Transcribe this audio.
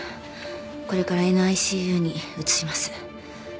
これからＮＩＣＵに移します。